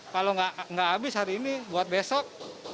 kalau nggak habis hari ini buat besok